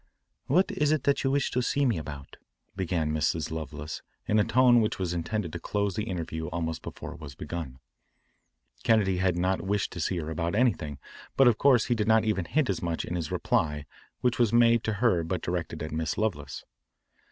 "What is it that you wished to see me about?" began Mrs. Lovelace in a tone which was intended to close the interview almost before it was begun. Kennedy had not wished to see her about anything, but of course he did not even hint as much in his reply which was made to her but directed at Miss Lovelace.